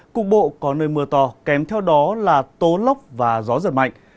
cục bộ có nơi mưa to kém theo đó là tố lóc và gió giật mạnh